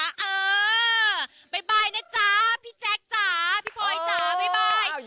เออบ๊ายบายนะจ๊ะพี่แจ็คจ๊ะพี่พลอยจ๊ะบ๊ายบาย